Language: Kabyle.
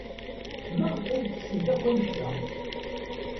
Maɣef ay ttessent akk anect-a?